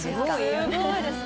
すごいです。